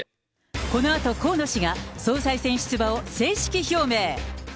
このあと河野氏が、総裁選出馬を正式表明。